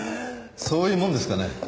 そういうもんですかね？